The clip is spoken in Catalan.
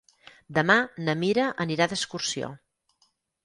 Demà na Mira anirà d'excursió.